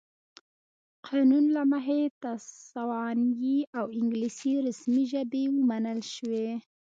قانون له مخې تسوانایي او انګلیسي رسمي ژبې ومنل شوې.